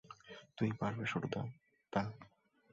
তুমি পারবে, শুটুদাদা।